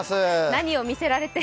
何を見せられて。